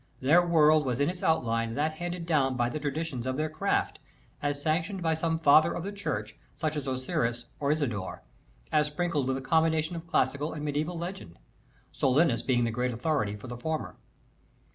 Their world was in its outline that handed down by the tradi tions of their craft, as sanctioned by some Father of the Church, such as Orosius or Isidore, as sprinkled with a combination of classical and mediseval legend ; Solinus being the great authority for the former.